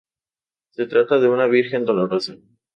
Se trata de una Virgen Dolorosa.